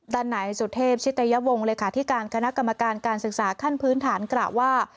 ด้านไหนสุเทพชิตยวงศ์เลขาธิการคณะกรรมการการศึกษาขั้นพื้นฐานกล่าวว่า